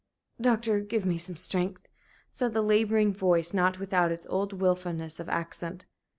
"Doctor, give me some strength," said the laboring voice, not without its old wilfulness of accent.